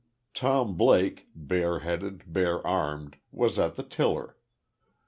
Tom Blake, bare headed, bare armed, was at the tiller.